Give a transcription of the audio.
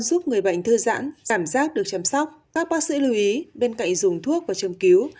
giúp người bệnh thư giãn cảm giác được chăm sóc các bác sĩ lưu ý bên cạnh dùng thuốc và châm cứu